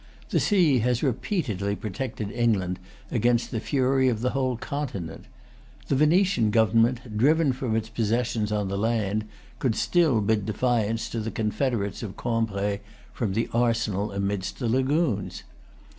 The sea has repeatedly protected England against the fury of the whole Continent. The Venetian government, driven from its possessions on the land, could still bid defiance to the confederates of Cambray from the Arsenal amidst the lagoons.